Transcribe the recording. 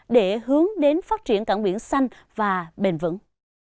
để hướng đến phát triển cảng biển xanh và bền vững